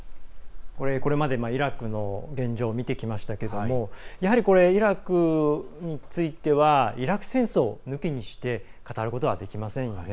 これまでイラクの現状を見てきましたけれどもやはり、イラクについてはイラク戦争を抜きにして語ることはできませんよね。